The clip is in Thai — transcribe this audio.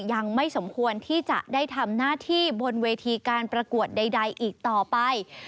ยังไม่สมควรที่จะได้ทำหน้าที่บนเวทีการประกวดใดอีกต่อไป